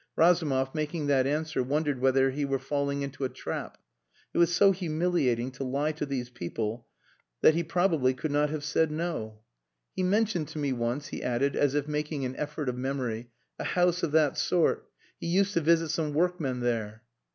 Razumov, making that answer, wondered whether he were falling into a trap. It was so humiliating to lie to these people that he probably could not have said no. "He mentioned to me once," he added, as if making an effort of memory, "a house of that sort. He used to visit some workmen there."